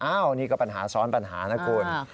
อันนี้ก็ปัญหาซ้อนปัญหานะคุณ